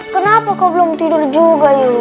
kenapa kau belum tidur juga